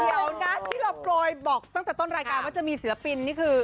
เดี๋ยวนะที่เราโปรยบอกตั้งแต่ต้นรายการว่าจะมีศิลปินนี่คือ